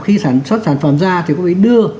khi sản xuất sản phẩm ra thì có thể đưa